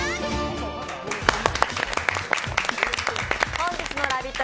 本日の「ラヴィット！」